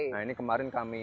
nah ini kemarin kami